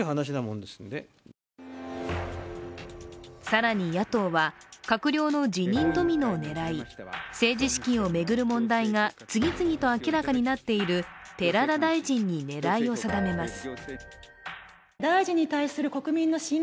更に野党は、閣僚の辞任ドミノを狙い政治資金を巡る問題が次々と明らかになっている寺田大臣に狙いを定めます。